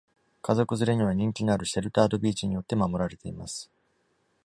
家族連れには人気のあるシェルタード・ビーチによって守られています。